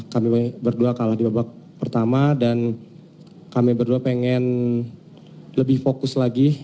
kami berdua kalah di babak pertama dan kami berdua pengen lebih fokus lagi